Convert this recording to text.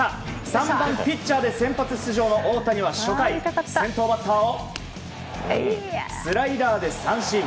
３番ピッチャーで先発出場の大谷は初回先頭バッターをスライダーで三振。